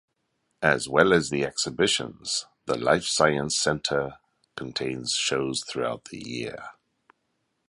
As well as the exhibitions, the Life Science Centre contains shows throughout the year.